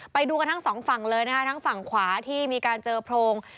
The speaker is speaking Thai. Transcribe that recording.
ไปดูกันทั้งสองฝั่งเลยนะคะทั้งฝั่งขวาที่มีการเจอโพรง